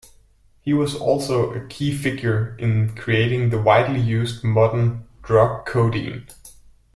He was also a key figure in creating the widely used modern drug codeine.